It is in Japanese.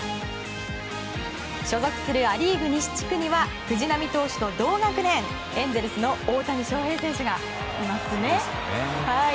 所属するア・リーグ西地区には藤浪投手と同学年エンゼルスの大谷翔平選手がいますね。